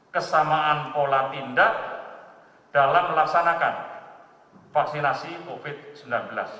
kesamaan pola tindak dalam melaksanakan vaksinasi covid sembilan belas